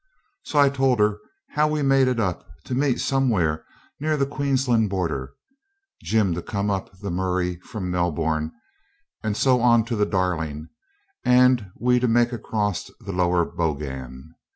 So I told her how we made it up to meet somewhere near the Queensland border. Jim to come up the Murray from Melbourne, and so on to the Darling, and we to make across for the Lower Bogan.